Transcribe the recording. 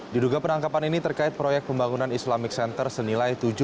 diduga penangkapan ini terkait proyek pembangunan islamic center senilai tujuh puluh tujuh miliar rupiah